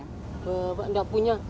bapak enggak punya